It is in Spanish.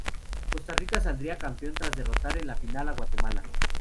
Costa Rica saldría campeón tras derrotar en la final a Guatemala.